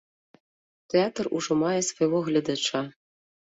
Тэатр ужо мае свайго гледача.